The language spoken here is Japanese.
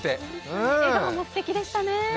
笑顔もすてきでしたね。